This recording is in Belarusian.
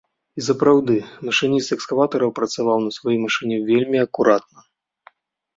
І сапраўды, машыніст экскаватара працаваў на сваёй машыне вельмі акуратна.